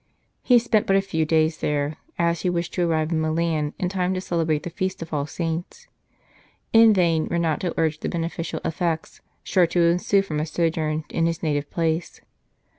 He spent but a few days there, as he wished to arrive in Milan in time to celebrate the Feast of All Saints. In vain Renato urged the beneficial effects sure to ensue from a sojourn in his native place.